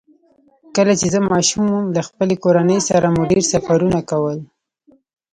کله چې زه ماشوم وم، له خپلې کورنۍ سره مو ډېر سفرونه کول.